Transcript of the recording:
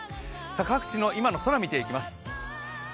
各地の今の空、見ていきます。